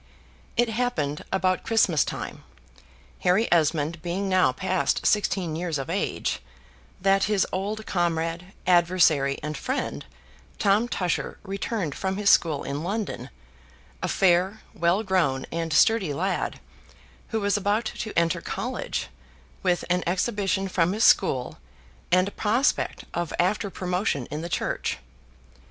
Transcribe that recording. It happened about Christmas time, Harry Esmond being now past sixteen years of age, that his old comrade, adversary, and friend, Tom Tusher, returned from his school in London, a fair, well grown, and sturdy lad, who was about to enter college, with an exhibition from his school, and a prospect of after promotion in the church.